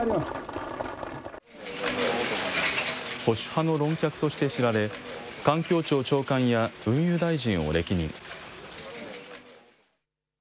保守派の論客として知られ、環境庁長官や運輸大臣を歴任。